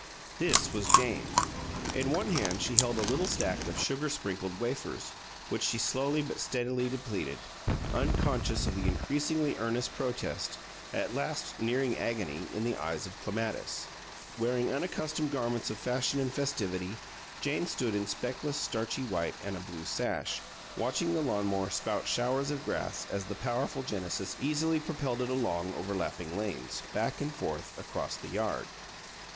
This was Jane. In one hand she held a little stack of sugar sprinkled wafers, which she slowly but steadily depleted, unconscious of the increasingly earnest protest, at last nearing agony, in the eyes of Clematis. Wearing unaccustomed garments of fashion and festivity, Jane stood, in speckless, starchy white and a blue sash, watching the lawn mower spout showers of grass as the powerful Genesis easily propelled it along over lapping lanes, back and forth, across the yard.